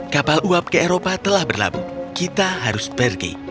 kapal uap ke eropa telah berlabuh kita harus pergi